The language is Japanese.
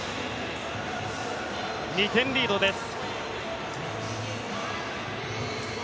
２点リードです。